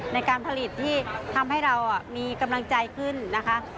ในการผลิตที่ทำให้เรามีกำลังใจขึ้นนะคะ